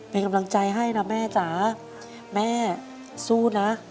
เป็นกำลังใจให้นะแม่จ๋าแม่สู้นะ